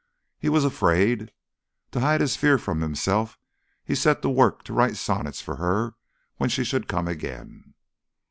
He was afraid. To hide his fear from himself, he set to work to write sonnets for her when she should come again....